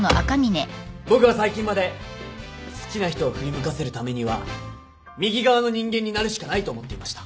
僕は最近まで好きな人を振り向かせるためには右側の人間になるしかないと思っていました。